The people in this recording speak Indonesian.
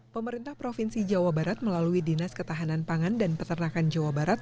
pemerintah provinsi jawa barat melalui dinas ketahanan pangan dan peternakan jawa barat